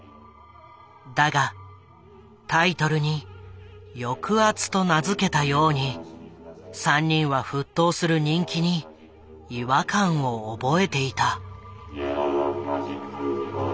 だがタイトルに「抑圧」と名付けたように３人は沸騰する人気に違和感を覚えていた。